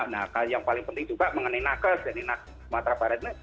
nah yang paling penting juga mengenai nages dan nages matra barat ini